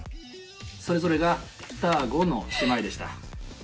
それぞれが双子の姉妹でした。